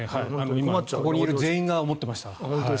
今、ここにいる全員が思ってました。